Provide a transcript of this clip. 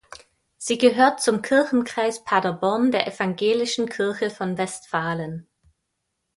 Sie gehört zum Kirchenkreis Paderborn der Evangelischen Kirche von Westfalen.